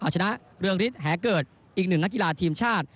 เอาชนะเรืองฤทธิแหเกิดอีกหนึ่งนักกีฬาทีมชาติ